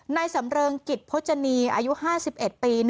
นายสำเริงกิตโภจนีอายุ๕๑ปี๑